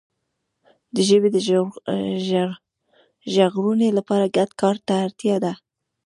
د ژبي د ژغورنې لپاره ګډ کار ته اړتیا ده.